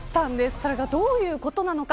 それがどういうことなのか